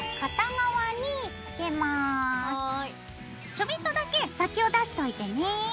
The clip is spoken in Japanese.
ちょびっとだけ先を出しといてね。